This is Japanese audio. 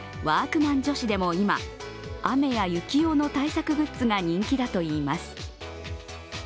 ワークマン女子でも今、雨や雪用の対策グッズが人気だといいます。